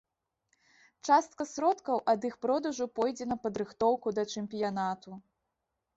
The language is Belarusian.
Частка сродкаў ад іх продажу пойдзе на падрыхтоўку да чэмпіянату.